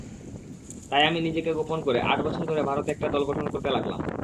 তাই আমি নিজেকে গোপন করে আট বছর ধরে ভারতে একটা দল গঠন করতে লাগলাম।